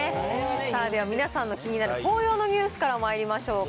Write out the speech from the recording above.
さあ、皆さんの気になる紅葉のニュースからまいりましょうか。